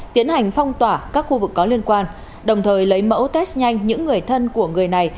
tiến hành phong tỏa các khu vực có liên quan đồng thời lấy mẫu test nhanh những người thân của người này